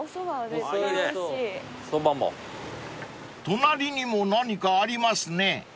［隣にも何かありますね］